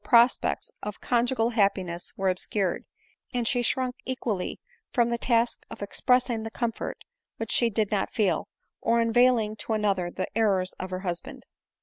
prospects of conjugal happiness were obscured, and she shrunk equally from the task of expressing the comfort which she did not feel, or unveiling to another the errors of her husband.